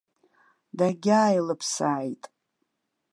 Дагьааилыԥсааит.